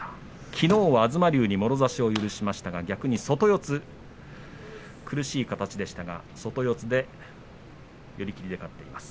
きのうは東龍にもろ差しを許しましたが逆に外四つ苦しい形でしたが寄り切りで勝っています。